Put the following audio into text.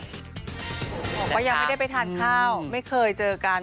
บอกว่ายังไม่ได้ไปทานข้าวไม่เคยเจอกัน